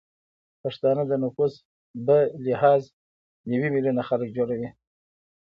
پښتانه د نفوس به لحاظ نوې میلیونه خلک جوړوي